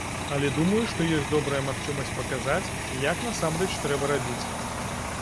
Але думаю, што ёсць добрая магчымасць паказаць, як насамрэч трэба рабіць.